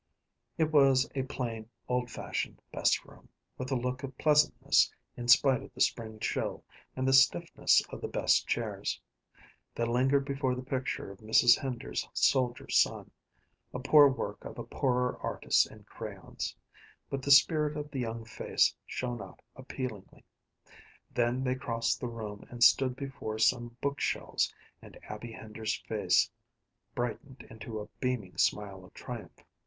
It was a plain, old fashioned best room, with a look of pleasantness in spite of the spring chill and the stiffness of the best chairs. They lingered before the picture of Mrs. Hender's soldier son, a poor work of a poorer artist in crayons, but the spirit of the young face shone out appealingly. Then they crossed the room and stood before some bookshelves, and Abby Hender's face brightened into a beaming smile of triumph.